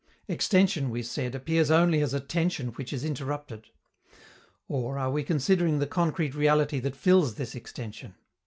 Extension, we said, appears only as a tension which is interrupted. Or, are we considering the concrete reality that fills this extension?